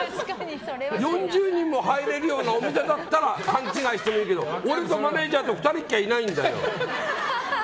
４０人も入れるようなお店だったら勘違いしてもいいけど俺とマネジャーと２人しかいないんだよ。